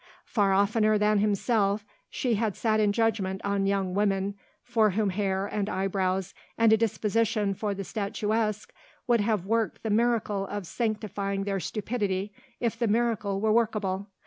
Far oftener than himself she had sat in judgement on young women for whom hair and eyebrows and a disposition for the statuesque would have worked the miracle of sanctifying their stupidity if the miracle were workable.